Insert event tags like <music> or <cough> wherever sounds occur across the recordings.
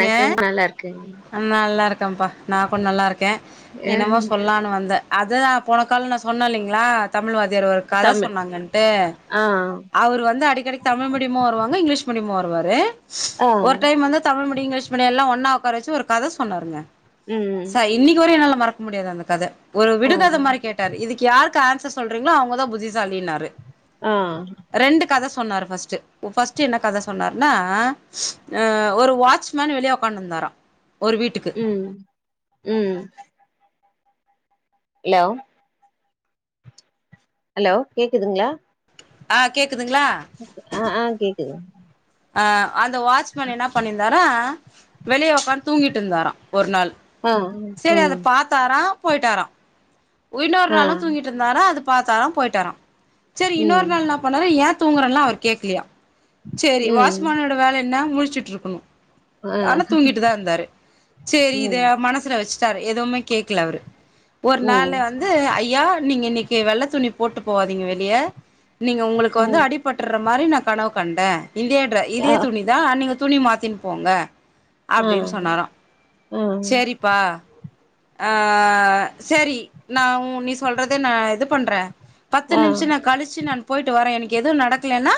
ங்க நல்லா இருக்கேங் ஆஹ் நல்லா இருக்கேன்ப்பா நான் கொஞ் நல்லா இருக்கேன் அ என்னமோ சொல்லான்னு வந்த அத்தான் நான் போனக் கால்ல நான் சொன்னே இல்லைங்களா தமிழ் வொர் வாஸ்தியார் ஒரு கத தமிழ் சொன்னாங்கன்ட்டு ஆ அவர் வந்து அடிக்கடிக்கு தமிழ் மீடியமா வருவாங்க இங்கிலீஷ் மீடியம் வ ருவாரு ஆ ஒரு டைம் வந்து முடிங்க <unintelligible> எல்லாம் ஒன்னா உட்கார வச்சு ஒரு கதை சொன்னாருங்க ம் ச இன்னைக்கு ஒரே னல்ல மறக்க முடியாது அந்த கதை ஒரு ஆ விடுகத மாரி கேட்டாரு இதுக்கு யாருக்கு ஆன்ஸ் சர் சொல்றீங்களோ அவங்கதான் புத்திசாலினாரு ஆ சொன்னாரு பர்ஸ்ட் பர்ஸ்ட் என்ன கதை சொன்னார்னா ஒரு வாட்ச்மேன் வெளிய உக்காண்டுந்தாரா ஒரு வீட்டுக்கு ம் ம் ஹலோ ஹலோ கேக்குதுங்களா ஆ கேக் ஒகே ஆ ஆ கேக் <unintelligible> ஆ அந்த வாட்ச்மேன் என்ன பண்ணிருந்தார் ஆ வெளிய உக்காந் தூங்கிட்டு இருந்தாராம் ஒரு நாள் ஆ சேரி அத ம் பாத்தாராம் போய்ட்டாறாம் உய்னொரு ஆ நாளும் தூங்கிட்டு இருந்தராம் அது பாத்தாரா போய்டாரா செரி ம் இன்னொரு நாள் என்ன பண்ணாரு ஏ தூங்குறன்னு அவர் கே்கலியா செரி ம் வாட்ச்மேனோட வேல நா முழிச்சிட்ருக்குணூ ஆ ஆனா தூங்கிட்டு தா இருந்தாரு செரி இத ம் மனசுல வச்சு சர் எதூமேக் கேக்ல அவரு ஒரு நாள் ம் க வந்து ஐயா நீங்க இன்னிக் கி வெள்ள துணி போட்டு போவாதீங்க வெளிய நீங்க உங்களுக்கு வந்து ம் அடிபட்டுர்ற் மாரி நா கனவு கண்டே இதேன்ற ஆ இதே துணிதா ஆ நீங் துணி மாத்தின் போங்க ஆ அப்டினு சொன்னாரா ஆ செரிப்பா ஆ செரி நா உ நீ சொல்றதே நா இது பண்ற ஆ பத்து ம் நிமிஷோ நா கழிச்சு நான் போயிட்டு வரே எனக் எது நடக்லேனா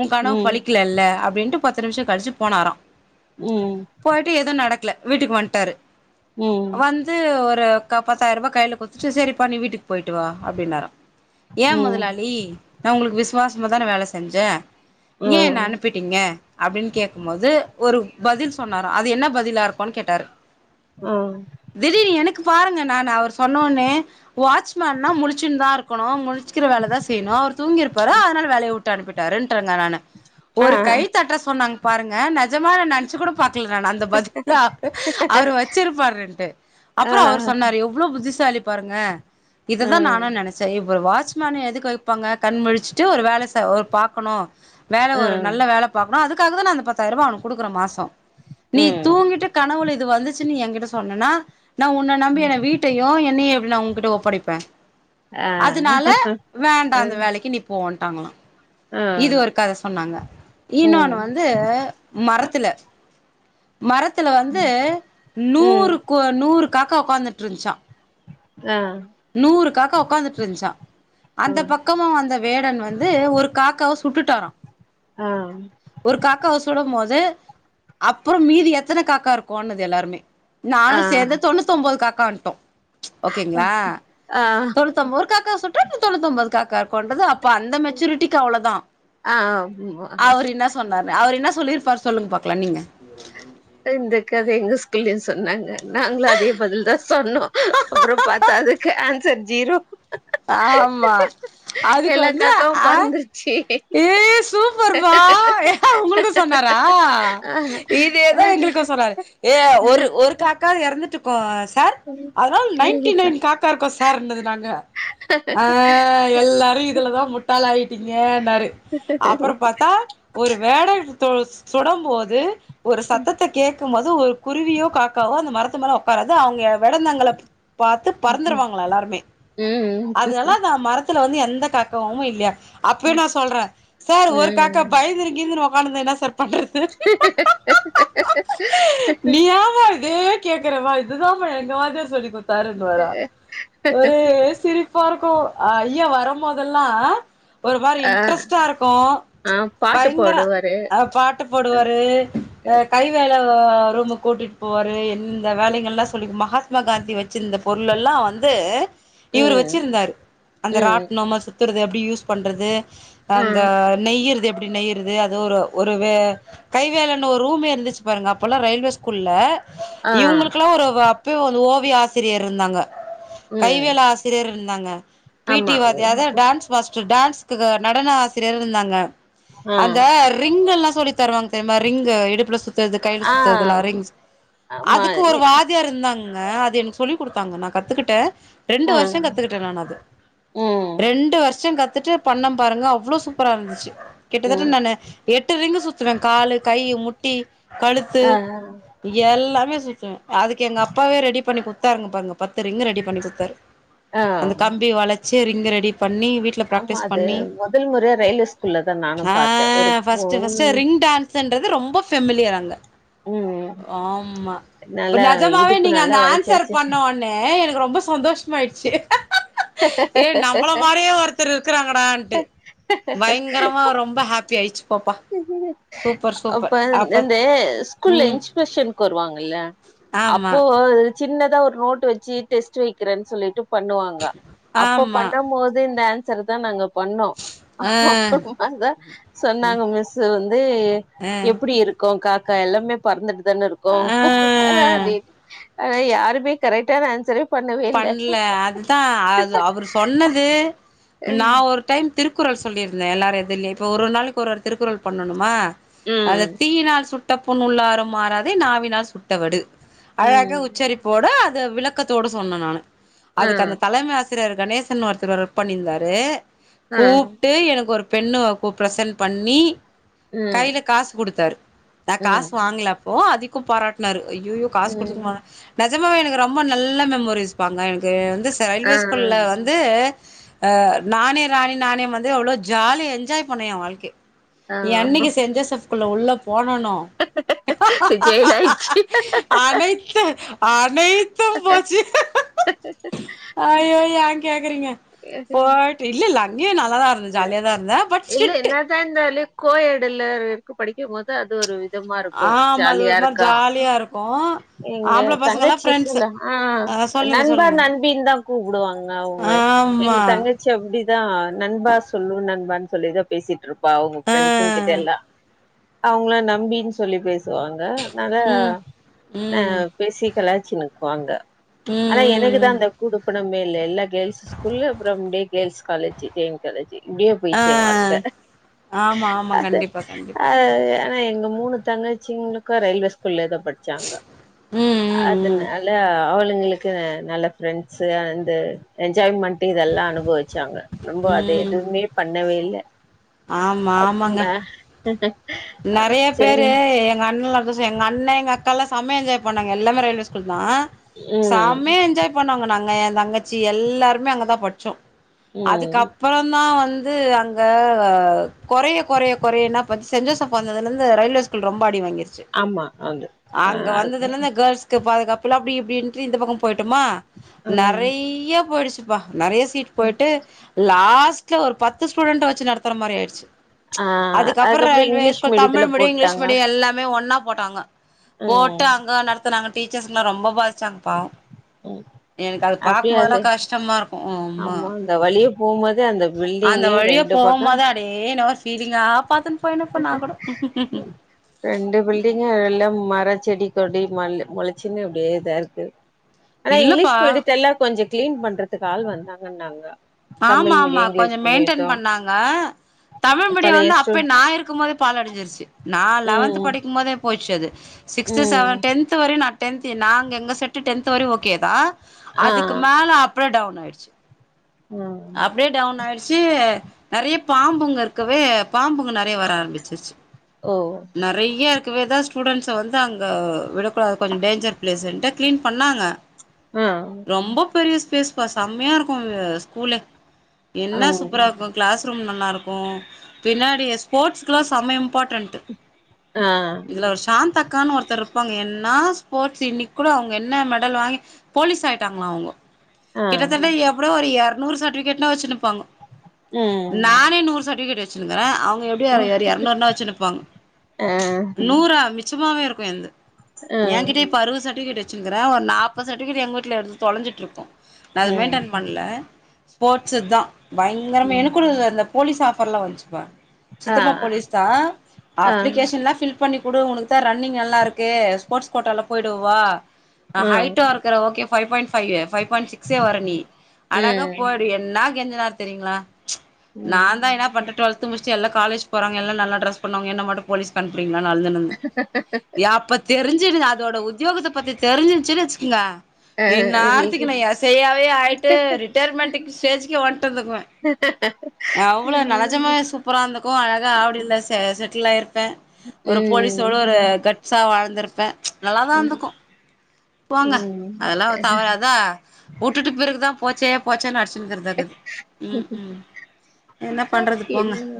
உ கனவு ம் பலிக்லேல்ல ரெண்ட்டு பத்து நிமிஷோ கழிச்சு போனாரா போய்ட்டு ஏதவு நடக்ல வீட்டுக்கு வன்டாரு ம் வந்து ஒரு க பாத்தாயிருபா கைல குத் செ சரிப்பா நீ வீட்டுக் போயிட்டு வா அப்டின்னாரா ஏ ம் மொதலாளி நா உங்கள்க்கு விசுவாசமா தானே வேல செஞ்சே ஆ ஏ என்ன அனுப்பிடீங்க அப்டின்னு கேட்கும்போது ஒரு பதில் சொன்னார அது என்ன பதில் ல்லாருக்கூன் கேட்டாரு ஆ திடீனு எனக்கு பாருங்க நான் அவர் சொ இன்னோனு வாட்சமேன்னா முழிச்சினு தா இருக்கணு மு ழிக்கிற வேல தா செய்ணு அவர்துங்கிருப்பாரு அதனால வேலைய விட்டு அனுப்பிட் தரன் டாங்க நானு ஆ ஒரு கை தட்ற சொன்னாங் பாருங்க நெஜமா நென்ச்சிக் கூட பாக் ல நான் அந்த பதில அவ் அவரு வச்சிருப்பாரின்டு ஆ அப்புறம் அவரு சொன்னாரு எவ்ளோ புத்திச சாலிப் பாருங்க ஆ இததான் நானும் நெனச்சேன் இவரு வா ட்ச்மேன் எதுக்கு வைப்பாங்க கண் முழிச்சுட்டு ஒரு வேல செய் ஒரு பாக்கணும் வேல ஆ ஒரு நல்ல வேலப் பாக்கனும் அதுக் காக தான் நா அந்த பத்தாயிர ரூவா அவனுக் குடுக்குற மாசம் நீ ம் தூங்கிட்டு கனவுள இது வந்துச் சி நீ என்கிட்ட சொன்னனா நான் உன்ன நம்பி ம் என வீட்டே ஒட்னே எப்டினா உங்கிட்ட ஒப்படைப்பேன் அதுனால ஆ வேண்டாம் அந்த வேலக்கி நீ போவ்ன் ட்டாங்கலா ஆ இது ஒரு கத சொன்னாங்க இன்னொன்னு ம் வந்து மரத்துல மரத்துல வந்து ம் நூறுக்கு நூறு காக்க உக்காந்துட்ருஞ்சா ஆ நூறு காக்கா ஒக்காந்துட்ருஞ்ச்சா அந்த ம் பக்கமா வந்த வேடன் வந்து ஒரு காக்காவ சு சுட்டுட்டாரா ஆ ஒரு காக்காவ சுடம் போது அப்புறம் மீதி எத்தன காக்கா இருக்கோன்னது எல்லாருமே ஆ நானு சேந்து தொண்ணூத்தொம்பது காக் கான்டோ ப்ச் ஓகேங்களா ஆ தொண்ணுத்தொம்போர் காக்கா சுட்டாத் தொண்ணூதொம்பது காக் காருகொண்றது அப்ப அந்த மெச்சூரிட்டிக்கு அவ்ளதா ஆ ஆமா அவரு இன்னா சொன்னாரு அவரு என்னா சொல்லியிருப்பாரு சொல்லுங்க பாக்லா நீங்க ஆஹ் இந்த கத எங்க ஸ்கூல்லயு சொன்னாங்க நாங்ளு அதே பதில்தா சொன்னோ அப்புறம் பாத்தா அதுக்கு ஆன்சர் ஜீரோ ஆம்மா அதுக்கு எல்லா வந்து காக்காவு ஆஹ் பறந்துருச்சு ஏய் சூப்பர் பா உங்களுக்கு சொன்னாரா ஆ இது தா எங்களுக்கு சொன்னாரு ஏ ஒரு ஒரு காக்கா எறந்துட் டு கோஸ் சார் ம் அதனால நைன்டி நைன் காக்கா இருக்கு சார்ன்னது நாங்க க ஆஹ் எல்லாரு இதுலதா முட்டாளாயிட் டீங்கன்னாரு அப்புரோ பார்த்தா ஒரு வேடன் தொ சுடம்போது ஒரு சத்தத்த கேட்கும் போது ஒரு குருவியோ காக்காவோ அந்த மரத் துமேல உக்காராது அவுங்க வேடந்தாங்கள பாத்து பறந்துருவாங்களா எல்லாருமே அதெல்லாதா மரத் துல வந்து எந்த காக்காவுமே இல்லையா அப்பயு நா சொல்ற சார் ஒரு காக்க ம் பயந்துனு கீந்துனு உக் க்காந்துனா என்ன சார் பண்றது நீ ஏமா இதே கேக்குறமா இது தாமா எங்க வாத்தியார் சொல்லி குத் தாருன்னு வாரா ஒரே சிரிப் ப்பாருக்கு ஐயா வரும்போது இதெல்லா அ ஒரு மாரி ஆ இன்ட்ரெஸ்டா இருக்கு ஆ பாட்டு பயங்கர பாடுவாரு பாட்டு போடுவாரு கைவேல கோ ரூமுக்கு கூட்டிட் போவாரு எந்த வேலைகள்லா சொல்லி மகாத்மா காந்தி வச்சிருந்த பொருள்லெல்லா வந்து இவரு ம் வச்சிருந்தாரு அந்த ம் ராட்னம்ம சுத்துறது அப்டி யூஸ் யூஸ் பண்றது ஆ அந்த நெய்றது எப் நெய்யறது அது ஒரு ஒரு வே கைவேலன்னு ஒரு ரூமே இருந்துச்சு பாருங்க அப்பல்லா ரயில்வேஸ் குள்ள ஆ இவுங்ளுக்கலா ஒரு வப் இப்பயோ அந்து ஓவிய ஆசிரியர் இருந்தாங்க கை ம் வேல ஆஸ் சிரியர் இருந்தாங்க பி டி ஆமா வாத்தியார் ம். த டான்ஸ் மாஸ்ட் டான்ஸ்க்கு நடன ஆசிரியர் இருந்தாங்க ஆ அந்த ரிங்க் எல்லா சொல்லித் தருவாங் தெரிமா ரிங்கு இடுப்புல சுத்றது கையில ஆ சுத்றதுலா ரிங்ஸ் ஆமா அதுக்கு இ ஒரு வாதியார் இருந்தாங்க ங்க அது எனக்கு சொல்லி கொடுத்தாங்க நா கத்துக்கிட்டே ரெண்டு ஆ வர்ஷ் து கத்துக்கிட்டே நானு அது ம் ரெண்டு வருஷம் கத் த்துட்டு பண்ணம் பாருங்க அவ்ளோ சூப்பரா இருந்துச்சு கிட்டத்தட்ட ம் நானு எட்டு ரிங்க் சுத்த த்துவே கால் கை முட்டி கழுத்து ஆ எல்லாமே சுத்துவே அதுக்கு எங்க அப்பாவே ரெடி பண்ணி குடுத் த்தாரு பாருங்க பத்து ரீங்கு ரெடி பண்ணி குடுத்தாரு ஆ அந்த கம்பி வளச் சி ரிங்க ரெடி பண்ணி வீட்ல ஆமா ப்ராக்டிஸ் அது பண்ணி மொதல் முறையா ரயில்வே ஸ்கூல்ல தா நானு ஆ பாத்தே ஒரு ஃபஸ்ட்டு பொண் ஃபஸ்ட்டு ரிங் டான்ஸுன்றது ரொம்ப ஃபேமிலியர் அங்க ம் ஆமா இப்ப நல்லா நஜமாவே இடுப்பு நீங்க நல்லா அந்த ஆன்சர் வளச்சிருச்சு பண்ணோனே எனக்கு ரொம்ப சந்தோஷமாய்ட்டு செ ஏ நம்மள மாரியே ஒருத்தர் இருக்கிறாங்கடா அ பயங்கரமா ரொம்ப ஹாப்பி ஆயிடுச்சு போப்பா சூப்பர் சூப்பர் அப்ப ஸ்கூல்ல உம் இன்ஸ்பெக்ஷனுக்கு வருவாங்கல்ல அப்போ ஆ சின்னதா ஒரு நோட்டு வச்சு டெஸ்ட் வைக்கிறேன்னு சொல்லிட்டு பண்ணுவாங்க அப்ப ஆமா பண்ண போது இந்த ஆன் சர் தா நாங்க பண்ணோ ஆ அப்புறமா தா சொன்னாங்க மிஸ் வந்து எப்டி இருக்கு கா க எல்லாமே பறந்துடு தான இருக்கு ஆ அதே அஹ் யாருமே கரெக்டான ஆன்சரே பண்ணவே இல்ல பண்ல அதுதா அது அவரு சொன்னது நா ஒர் டைம் திருக்குறள் சொல்லியிருந்தே எல்லாரு எது இல்லய இப்போ ஒரு ஒரு நாளைக்கு ஒரு ஒரு திருக்குறள் பண்ணணுமா அத ம் தீயினால் சுட் ட புண் உள்ளாரும் ஆறாதே நாவினால் சுட்டவடு அழாகா ம் உச்சரிப்போட த விளக்கத்தோடு சொன்னே நானு ஆ அதுக்கு அந்த தலைமை ஆச் சிறியர் கணேசன் ஒருத்தவர் ஒர்க் பண்ணியிருந்தாரு ஆ கூப்ட்டு எனக்கொரு பெண்ணு ஒக்கு ப்ரெசென் பண்ணி ம் கையில காஸு குடுத்தாரு நா காஸ் ம் வாங்குல அப்போ அது க்கு பாராட்னாரு ஐயய்யோ காஸ் குடுத்துக்குமா ம் நா நெசமாவெ எனக்கு ரொம்ப நல்ல மெம் மொரிஸ்ப்பா அங்க எனக்கு துஸ் ஆ ரயில்வே ஸ்கூல்ல வந்து அஹ் நானே ராணி நானே மந்திரி அவ்ளோ ஜாலி என்ஜாய் பண்ணு எ ஆ வாழ்க்கைய என்னைக்கு செஞ் ஜோசஃப் குள்ள உள்ளப் போணணோ ஜெயில் ஆயிடுச்சு அனைத்து அனைத்தும் போச்சு ஐயோ ஏ கேக்குறீங்க போட் இல்ல இல் இல்ல அண்ணியு நா நல்ல தா இருந் ஜாலியதா இருந்த பட் ஸ்ட்ரிக்ட்டு கோய்யேடுல இருக்கு படிக்கு போது அது ஒரு விதமா இருக்கு ஆமா அது ஜாலியா ஒரு மாரி இருக்கா ஜாலியா இருக்கு எங்க ஆம்பள பசங்கல்லா தங்கச்சி ஃப்ரெண்ட்ஸு சொல்ல ஆ சொல்லுங்க நண்பா சொல்லுங்க நண்பீன் தா கூப்பிடுவாங்க அவுங்க எங்க ஆமா தங்கச்சி அப்டிதா நண்பாஸ் நண்பா சொல்லிதா பேசிட் ருப்பா அவங்க ஆ ப்ரெண்ஸ்சுன் கிட்டேல்லா அவுங்குள்ள நம்பீன்னு சொல்லி பேச் வாங்க நாங்க ம் அ ம் ம் பேசி கலாச்சின்னு வாங்க அனா ம் எனக்குதா ம் அந்த கூடுப்பணம் லே எல்லா கேல்ஸ் ஸ்கூலு அப்புறம் லே கேல்ஸ் காலேஜ்ஜு காலேஜி அப்படியே ஆ போயிச்சு எ வாழ்க்க ஆமா ஆமா அத கண்டிப்பா கண்டிப்பா அ எங்க மூணு தங்கச்சிங்களுக்கு ரயில்வே ஸ்கூல்லியேதா படிச்சாங்க ம் ம் ம் அதுனால அவுளுக் எங்களுக்கு நல்ல ப்ரெண்ட்ஸ்சு அந்த என்ஜாய்மெண்ட் டு இதெல்லா அனுபவிச்சாங்க ரொம்ப எதுவுமே பண்ணவேல் த ஆம்மா ஆமாங்க நெறைய சரி பேரு எங்க அண்ணலக் ஸ்ஸோ எங்க அண்ண எங்க அக்கல்லா செமய என்ஜாய் பண்ணாங்க எல்லாமே ரயிலவே ஸ்கூல் நா ம் சமைய என்ஜாய் பண்ணுவங்க நாங்க தங்கச்சி எல்லார்மே அங்க தா பட்ச்சோ அதுக் ம் அப்புறந்தா வந் து அங்க கவ் கொறைய கொறைய கொறைய என்னாபச் சென் ஜோசப் வந்ததுலந்து ரயில்வே ஸ்கூல் ரொம்ப அடி வாங்கிற் சு ஆமா அது ஆ அங்க அது வந்ததுலேந்த கேர்ள்ஸ்க்கு பாதுகாப் புலா அப்டி இப்டின்ட்டு இந்த பக்கோம் பொய்ட்டமா ம் நெறைய்ய போயிடுச்சு நறைய சீட் ம் போயிட்டு லாத் ஃபஸ்ட்ல ஒரு பத்து ஸ்டூடண்ட வச்சு நடத் தர மாரி ஆயிட்ச்சு ஆ அதுக்கப்புற் அதுக்கப்புறோ ரயில்வே இங்கிலீஷ் ஸ்கூல் மீடியத்துல தமிழ் மீடியொ இங்கிலீஷ் போட்டாங்க மீடிய எல்லாமே ஒன்னாப் போட்டாங்க ம் போட்டு அங்க நடத்துனாங்க டீச்சர்ஸ்ங்களா ரொம்ப பாதி ச்சாங் பாவோ, ம் எனக்கு அது அப்டியே பாக்கும்போதுலா அது கஷ்டமா இருக் ஆமா அந்த வழியே போம்போது அந்த அந்த பில்டிங்கே வழியா ரெண்டு பக்கோ போம்போது அப்டியே என்னவோ ஃபீலிங்கா பாத்துன்னு போயினுருப்ப நாங் கூட ர செடி கொடி மல் முளைச்சின்னு அப்டியே இதா இருக்கு ஆனா இங்கிலீஷ் இல்லப்பா மீடியத்த எல்லா கொஞ்ச கிளீன் பண்றதுக்கு ஆள் வந் தாங்கன்னாங்க ஆமா ஆமா கொஞ்ச மெயின்டென் பண்ணாங்க தமிழ் மீடியம் பழைய வந்து ஸ்டூ அப்ப நா இருக்கும்போதே பாழ் அடைச்சிருச்சு, நா லெவன்த் ம் படிக்கும்போதே போய்டுச்சு அது சிக்ஸ்த் செவ ம் டென்த் வரையு நா டென்த்து நாங்க எங்க செட்டு டென்த்து வரயு ஓகேதா ஆ அதுக்கு மேல அப்பற டவுன் ஆயிடுச்சி ஆ அப்டியே டவுன் ஆயிடுச் சு நெறைய பாம்பு அங்க இருக்கவே பாம்பு நெறையா வர ஆரம்பிச்சிருச்சு ஓ நெறைய இருக்கவேதா ஸ்டூடெண்ட்ஸ வந்து அங்க விடக்கூடாது கொஞ்ச டேஞ்சர் ப்ளேஸுன்ட்டு க்ளீன் பண்ணாங்க ஆ ரொம்ப பெரிய பேசுவா செம்மையா இருக்கு ஸ்கூலு எல்லா சூப்பரா ஆமாங்க இருக்கு கிளாஸ் ரூம் நல்லாருக்கு பின்னாடி ஸ்போர்ட்ஸ்க்லா செம இம்பார்ட்டன்ட் ஆ இதுல ஒரு சாந்தா அக்கன் ஒருத்தர் இருப்பாங்க என்னா ஸ்போர்ட்ஸ் இன்னைக்கு கூட அவங்க என்ன மெடல் வாங்கி போலீஸ் ஆயிட்டாங்களா அவங்கோ ஆ கிட்டத்தட்ட எப்டோ ஒரு எர நூறு சர்டிஃபிகேட்லா வெச்சுரு ப்பாங்க, ம் நானே நூறு சட்விகேட் வச் சினுருக்கிறே அவங் க எப்படியு ஆ ஒரு ஒரு எரநூறுனா வச்சுனுப்பாங்க நூறா மிச் சமாவே இருக்கு என்து ஆ என் கிட்டயே இப்ப அறுபது சர்பிகேட் வச்சுட்ரூக்ரேன் ஒரு நாற்பது சர்டிபிகேட் எங்கள்வீட்ல எத்து தொலைஞ்சிட்டருக்கும் நான் அத ம் மெயின்டன் பண்ணல ஸ்போர்ட்ஸ் தான் பயங்கரமா ம் எனக்கது அந்த போலீஸ் ஆஃபர்லாம் வந்துச்சுப்பா ஆ சித்தப்பா போலீஸ் தான் ஆ ஆ அப்ளிகேஷன்லாம் ஃபில் பண்ணி கொடு உனக்கு தான் ரன்னிங் நல்லா இருக்கு ஸ்போர்ட் கோட்டா லா போயிடுவ வா நா ம் ஹைட்டா இருக்குறேன் okay five point five five பன் சிக்ஸே வர நீ அழகா போடு என்னா எந்தன நேர தெரியங்களா ச் ம் நான் தான் என்னா பண்ணட்டு டொல்த் முடிச்சட்டு எல்லா காலேஜ் போறங்க எல்லா நல்ல டிரஸ் பண்ணுவாங்க என்ன மட்டும் போலிஸ் க்கு அனுப்பி ங்கள அழுந்துந்தேன் யாப்பத்தெரிஞ்சுது <unintelligible> அதோட உத்தியோகத்தை பத்தி தெரிஞ்சன்னுச்சி வச்சுக்கோங்க ஆ இன் இன்னைக்கு நேரத்துக்கு நா எஸ்ஐ ஆவே ஆயிட்டு ரிட் ண்ட ஸ்டேஜ வன்ட்டு இருந்துக்கு அவ்வளவு நலஜமா சூப்பரா இருந்துக்கும் அழகா ஆவடி இல்ல செட்டலாயிருப்ப ப ஒரு போலீஸோடு ஒரு ம் கட்ஸா வாழ்ந்திருப் ப்ப நல்லா தான் ம் இருந்துக்கும். போங்க ம் அதெல்லாம் தவறாதான் உட்டுட்டு பிறகு தான் போச்சேப் போச்சு ன்னு அடிச்சுக் ங்கறதது ம்ம் என்ன பண்றது போங்க. என்னங்க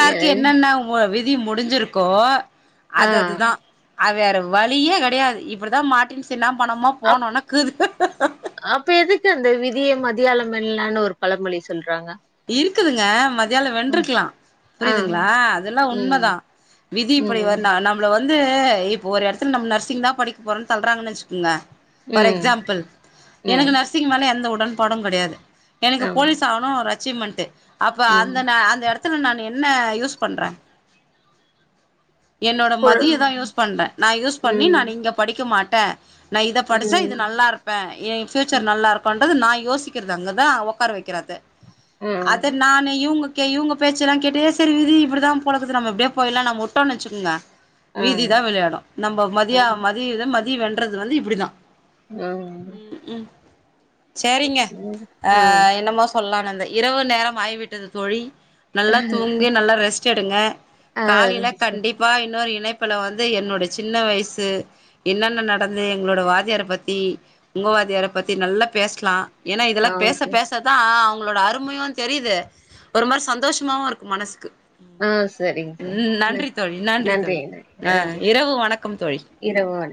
ஏ என்னன்ன விதி முடிஞ்சிருக்கோ. ஆ அது அதுதான். அது வேற வழியே கிடையாது. இப்படிதான் மாடின் சின்னா பணமா அப் போனோம்னா கது திய மதியியாளம் மென்லான்னு ஒரு பழமொழி சொல்றாங்க. இருக்குதுங்க. மத்த தியால ம் வென்றுக்கலாம். ஆ புரியுதுங்களா அதெல்லாம் ம் உண்மைதான் விதி இப்படி ம் நம்மள வ வந்து இப்போ ஒரு எடத்துல நம்ம நர்சிங் தான் படிக்க போறோம்னு தல்ராங்குனச்சுக்கோங்க. ஃபார் ம் எக்ஸாம்பிள். ம் எனக்கு நர்சிங் மேல எந்த உடன்ப் பாடு கிடையாது. எனக்கு ஆ போலீஸ் ஆவணு ர அச்சீவ்மெண்ட் அப்ப ம் அந்த ந அந்த எடத்துல நா என் என்ன யூஸ் பண்றே. என்னோட ஸ்கூல் மதிய தா யூஸ் பண்றே. நா யூஸ் பண்ணி நா ம் இங்க படிக்க மாட் ட நா இதை படிச்ச இது ம் நல்லா இருப்பே. என் பியூச்சர் ம் நல்லா இருக்கும்ன்றது நா யோசிக்கிறது. அங்கதா உட்கார வெக்கறத ஆ அது நானு இவங்க க் இவங்க பேச்ச எல்லா கேட்டே சரி விதி இப்டிதா போலக்குது நம்ம இப்படியே போயிரலா நம்ம விட்டோன்னு வெச்சுகோங்க ஆ வீதி தா விளையாடு. நம்ம மதியா ம் மதிய மதி வேண்ட றது வந்து இப்டிதா உஹம் சரிங்க ஆஹ் என்னமோ சொல்லான்ந்த இரவு நேரம் ஆயிவிட்டது தோழி நல்லா தூங்கி நல்லா ரெஸ்ட் எடுங்க. ஆ காலையில சரி கண்டிப்பா இன்னொரு நினைப்பில் வந்து என்னோடய சின்ன வயசு என்னென்ன நடந்து எங்களோடய வாதியார பத்தி உங்கள்வாதியார பத்தி நல்லா பேசலா. ஏன்னா ஆ இதெல்லா பேச ஓகே பேசதா உங்களோட அரும் உண்மையு தெரியுது ஒரு மாரி சந்தோஷமாவு இருக்கு மனசுக்கு ஆ சரிங்க சார் உம் ந நன்றி தோழி நன்றி தோழி நன்றிங்க ஆஹ் நன்றி இரவு வணக்கம் தோழி இரவு வணக்